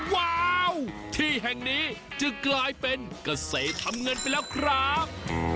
ว้าวที่แห่งนี้จึงกลายเป็นเกษตรทำเงินไปแล้วครับ